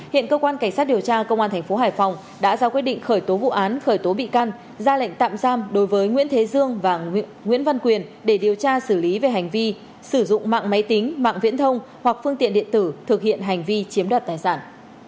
hiện cơ quan cảnh sát điều tra công an thành phố hải phòng đã ra quyết định khởi tố vụ án khởi tố bị can ra lệnh tạm giam đối với nguyễn thế dương và nguyễn văn quyền để điều tra xử lý về hành vi sử dụng mạng máy tính mạng viễn thông hoặc phương tiện điện tử thực hiện hành vi chiếm đoạt tài sản